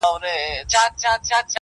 په غوټه سوه ور نیژدي د طوطي لورته،